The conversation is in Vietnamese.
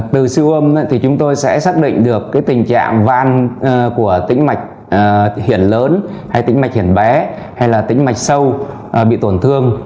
từ siêu âm thì chúng tôi sẽ xác định được tình trạng ban của tĩnh mạch hiển lớn hay tĩnh mạch hiển bé hay là tĩnh mạch sâu bị tổn thương